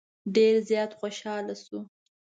ډېر زیات خوشاله شو.